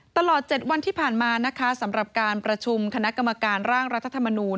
ตลอด๗วันที่ผ่านมานะคะสำหรับการประชุมคณะกรรมการร่างรัฐธรรมนูล